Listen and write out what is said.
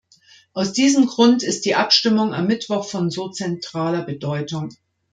Aus diesem Grund ist die Abstimmung am Mittwoch von so zentraler Bedeutung.